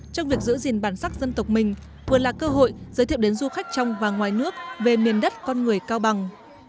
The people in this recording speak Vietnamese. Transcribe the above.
trong việc giữ gìn bản sắc dân tộc mình vừa là cơ hội giới thiệu đến du khách trong và ngoài nước về miền đất con người cao bằng